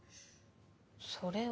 それは。